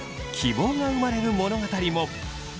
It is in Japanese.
希望が生まれる物語も！